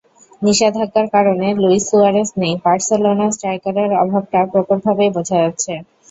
নিষেধাজ্ঞার কারণে Luis Suarez নেই, বার্সেলোনা স্ট্রাইকারের অভাবটা প্রকটভাবেই বোঝা যাচ্ছে।